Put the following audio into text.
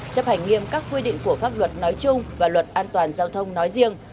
chấp hành nghiêm các quy định của pháp luật nói chung và luật an toàn giao thông nói riêng